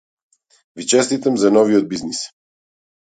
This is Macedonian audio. Ви честитам за новиот бизнис.